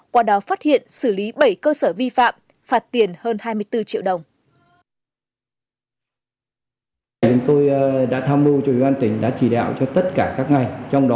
qua đó phát hiện xử lý bảy cơ sở vi phạm phạt tiền hơn hai mươi bốn triệu đồng